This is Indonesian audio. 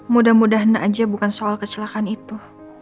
mudah mudahan aja bukan soal kecelakaan itu